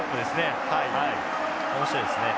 面白いですね。